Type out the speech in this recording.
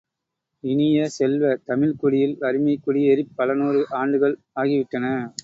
இனிய செல்வ, தமிழ்க் குடியில் வறுமை குடியேறிப் பலநூறு ஆண்டுகள் ஆகிவிட்டன.